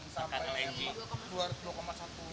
sampai yang dua satu